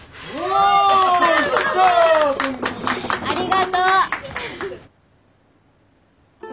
ありがとう。